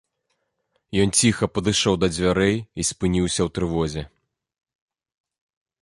Ён ціха падышоў да дзвярэй і спыніўся ў трывозе.